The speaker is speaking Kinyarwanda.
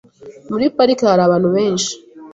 Muri parike hari abantu benshi .